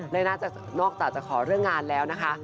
และน่าจะนอกจากจะขอเรื่องงานแล้วนะคะ